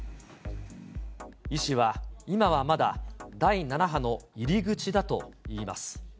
医師は、今はまだ第７波の入り口だといいます。